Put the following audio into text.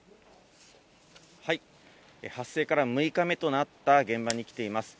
発生から６日目となった現場に来ています。